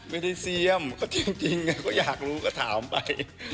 ไม่ได้เซียมก็จริงก็อยากรู้ก็ถามไป